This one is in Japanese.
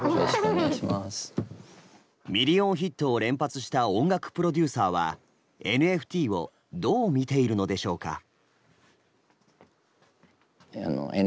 ミリオンヒットを連発した音楽プロデューサーはＮＦＴをどう見ているのでしょうか。